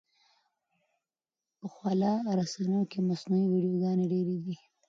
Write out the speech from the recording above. په خواله رسنیو کې مصنوعي ویډیوګانې ډېرې دي.